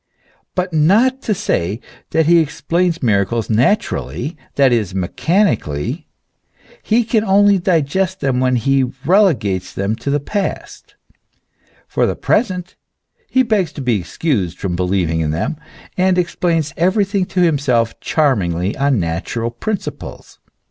But not to say that he explains miracles naturally, that is, mechanically, he can only digest them when he relegates them to the past ; for the present he begs to be excused from believing in them, and explains everything to himself charmingly on natural principles.